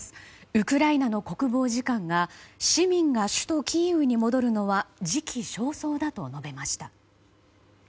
ウクライナの国防次官は市民が首都キーウに戻るのは時期尚早だと述べました。